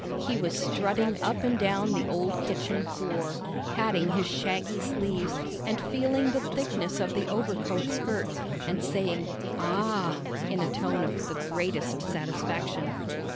He was strutting up and down the old kitchen floor, patting his shaggy sleeves, and feeling the thickness of the overcoat skirts, and saying "Ah!" in a tone of the greatest satisfaction.